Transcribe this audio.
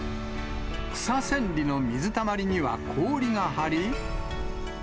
草千里の水たまりには氷が張り。